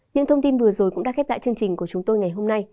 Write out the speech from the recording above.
những thông tin vừa rồi cũng đã khép lại chương trình của chúng tôi ngày hôm nay